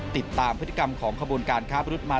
ติดตามพฤติกรรมของขบวนการค้ามนุษย์มา